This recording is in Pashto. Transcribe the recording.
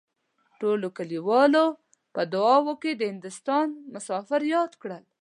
ټولو کليوالو به په دعاوو کې د هندوستان مسافر يادول.